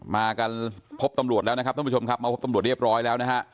มากันพบตำรวจแล้วนะครับท่านผู้ชมครับมาพบตำรวจเรียบร้อยแล้วนะฮะ